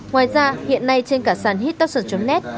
ngoài ra hiện nay trên cả sàn hittoxin net